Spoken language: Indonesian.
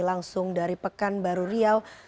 langsung dari pekan baru riau